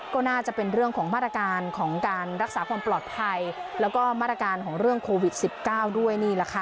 ก็น่าจะเป็นเรื่องของมาตรการของการรักษาความปลอดภัยแล้วก็มาตรการของเรื่องโควิด๑๙ด้วยนี่แหละค่ะ